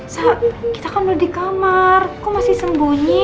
sa kita kan udah di kamar kok masih sembunyi